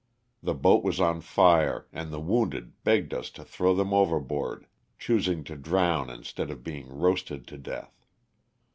The boat was on fire and the wounded begged us to throw them overboard, choosing to drown instead of being roasted to death.